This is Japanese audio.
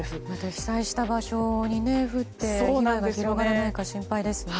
被災した場所に降って被害が広がらないか心配ですね。